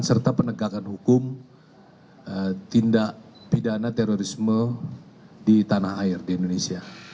serta penegakan hukum tindak pidana terorisme di tanah air di indonesia